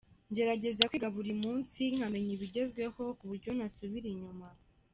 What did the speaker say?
Ngerageza kwiga buri munsi nkamenya ibigezweho ku buryo ntasubira inyuma.